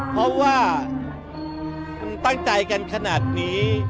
เพราะว่ามันตั้งใจกันขนาดนี้